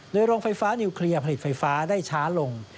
โดยโรงไฟฟ้านิวเคลียร์ผลิตไฟฟ้าได้ช้าลง